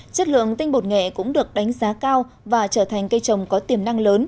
chất lượng tinh bột nghệ cũng được đánh giá cao và trở thành cây trồng có tiềm năng lớn